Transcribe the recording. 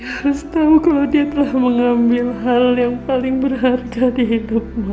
harus tahu kalau dia telah mengambil hal yang paling berharga di hidupmu